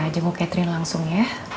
jenguk catherine langsung ya